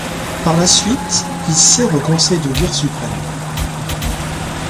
Par la suite, il sert au conseil de guerre suprême.